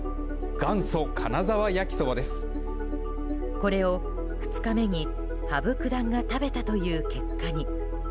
これを２日目に羽生九段が食べたという結果に。